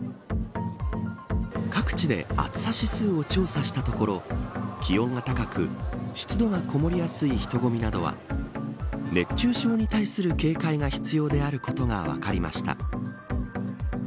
各地で暑さ指数を調査したところ気温が高く、湿度がこもりやすい人混みなどは熱中症に対する警戒が必要であることが分かりました。